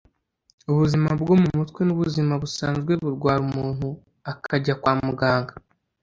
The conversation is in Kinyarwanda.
ubuzima bwo mu mutwe n’ubuzima busanzwe burwara umuntu akajya kwa muganga